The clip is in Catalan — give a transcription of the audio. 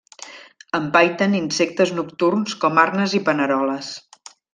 Empaiten insectes nocturns com arnes i paneroles.